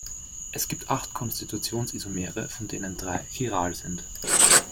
Es gibt acht Konstitutionsisomere, von denen drei chiral sind.